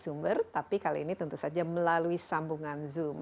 tiga orang narasumber tapi kali ini tentu saja melalui sambungan zoom